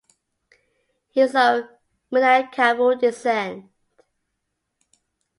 He is of Minangkabau descent.